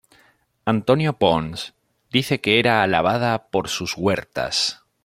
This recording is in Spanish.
Antonio Ponz dice que era alabada "por sus huertas".